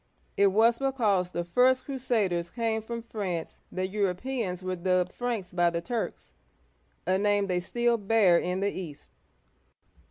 It was because the first crusaders came from France that Europeans were dubbed Franks by the Turks, a name they still bear in the East.